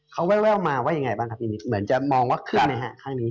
เขาแว่วมาว่ายังไงครับยินดี้เหมือนมองว่าเข้าไหนครับ